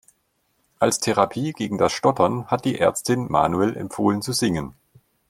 Als Therapie gegen das Stottern hat die Ärztin Manuel empfohlen zu singen.